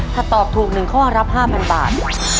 ถ้าตอบถูก๑ข้อรับ๕๐๐บาท